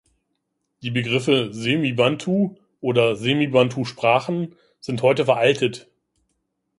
Die Begriffe "Semi-Bantu" oder "Semi-Bantu-Sprachen" sind heute veraltet.